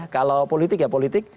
kalau politik ya politik